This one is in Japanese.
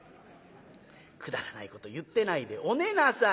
「くだらないこと言ってないでお寝なさいって」。